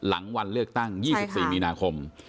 หลังวันเลือกตั้ง๒๔มีนาคม